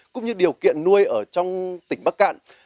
cũng như điều kiện nuôi ở trong tỉnh bắc cạn